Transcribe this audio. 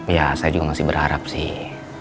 ya saya juga masih berharap sih